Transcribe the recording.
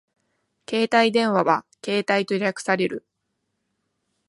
携帯電話はケータイと略される